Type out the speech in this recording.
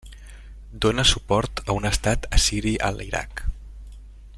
Dóna suport a un estat assiri a l'Iraq.